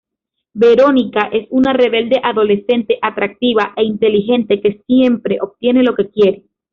Verónica es una rebelde adolescente, atractiva e inteligente, que siempre obtiene lo que quiere.